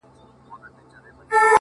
مستي. مستاني. سوخي. شنګي د شرابو لوري.